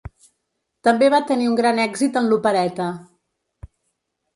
També va tenir un gran èxit en l'opereta.